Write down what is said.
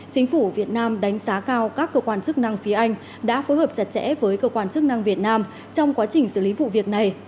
chính phủ việt nam đánh giá cao các cơ quan chức năng phía anh đã phối hợp chặt chẽ với cơ quan chức năng việt nam trong quá trình xử lý vụ việc này